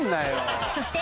そして